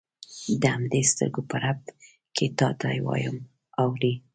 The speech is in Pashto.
د همدې سترګو په رپ کې تا ته وایم اورې.